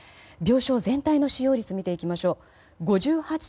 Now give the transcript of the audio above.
病床全体の使用率見ていきましょう。